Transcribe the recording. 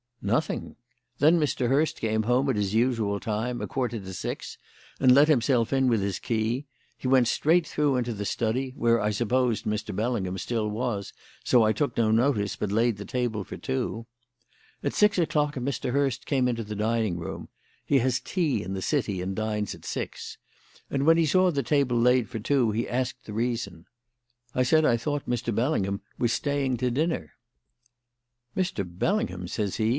"Nothing. Then Mr. Hurst came home at his usual time a quarter to six and let himself in with his key. He went straight through into the study, where I supposed Mr. Bellingham still was, so I took no notice, but laid the table for two. At six o'clock Mr. Hurst came into the dining room he has tea in the City and dines at six and when he saw the table laid for two he asked the reason. I said I thought Mr. Bellingham was staying to dinner. "'Mr. Bellingham!' says he.